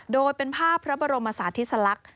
โดยเป็นภาพพระบรมศาสติสลักษณ์